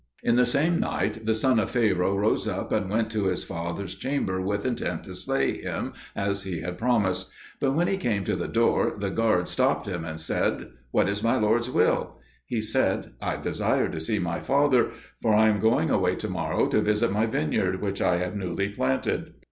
In the same night the son of Pharaoh rose up and went to his father's chamber with intent to slay him, as he had promised; but when he came to the door the guards stopped him and said, "What is my lord's will?" He said, "I desire to see my father, for I am going away to morrow to visit my vine yard which I have newly planted."